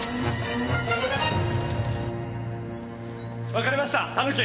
わかりましたタヌキ！